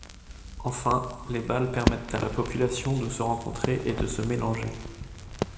Enfin, les bals permettent à la population de se rencontrer et de se mélanger.